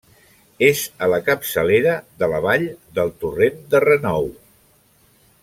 És a la capçalera de la vall del torrent de Renou.